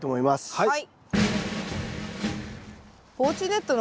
はい。